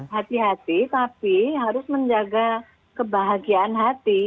hati hati tapi harus menjaga kebahagiaan hati